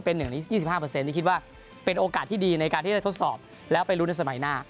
๒๕นี่คิดว่าเป็นโอกาสที่ดีในการทดสอบแล้วไปรู้ในสมัยหน้า